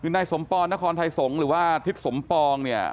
ในสมปรนนครไทยสงศ์หรือว่าทิศสมปรงเนี่ย